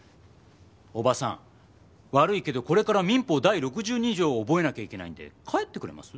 叔母さん悪いけどこれから民法第６２条を覚えなきゃいけないんで帰ってくれます？